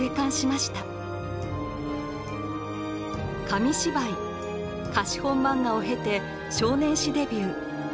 紙芝居貸本漫画を経て少年誌デビュー。